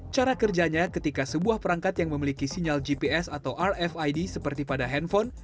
cara kerjanya ketika sebuah perangkat yang memiliki sinyal gps atau rfid seperti pada handphone